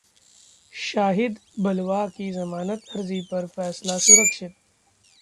शाहिद बलवा की जमानत अर्जी पर फैसला सुरक्षित